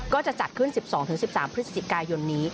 ก็จะจัดขึ้น๑๒๑๓พฤศจิกายนนี้